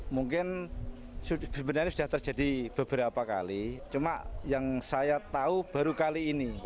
mungkin sebenarnya sudah terjadi beberapa kali cuma yang saya tahu baru kali ini